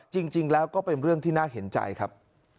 จริงแล้วก็เป็นเรื่องที่น่าเห็นใจครับ